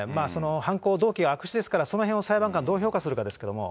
犯行動機が悪質ですから、そのへんを裁判官がどう評価するかです